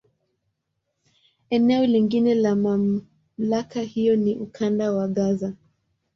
Eneo lingine la MamlakA hiyo ni Ukanda wa Gaza.